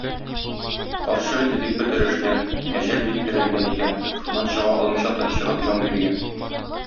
Карчык инде бик бетерешкән, әҗәл бик терәлгән икән, шуннан чыга алмыйча тончыгып җан биргән.